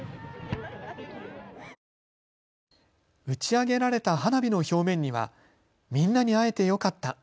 打ち上げられた花火の表面にはみんなに会えてよかった。